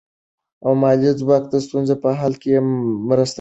مالي ځواک د ستونزو په حل کې مرسته کوي.